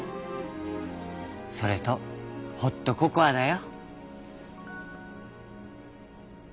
それとホットココアだよ。